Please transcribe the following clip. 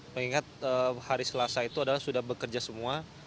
mengingat hari selasa itu adalah sudah bekerja semua